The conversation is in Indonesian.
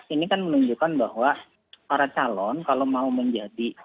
ini kan menunjukkan bahwa para calon kalau mau menjadi